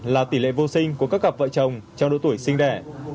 bảy bảy là tỷ lệ vô sinh của các cặp vợ chồng trong độ tuổi sinh đẻ